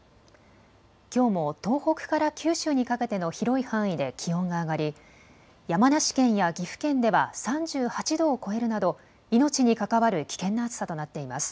きょうも東北から九州にかけての広い範囲で気温が上がり山梨県や岐阜県では３８度を超えるなど命に関わる危険な暑さとなっています。